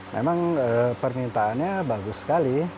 memang permintaannya bagus sekali